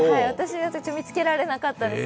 私は見つけられなかったです。